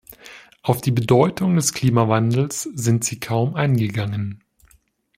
Auf die Bedeutung des Klimawandels sind Sie kaum eingegangen.